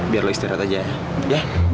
biar lo istirahat aja ya